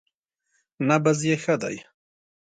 _نبض يې ښه دی.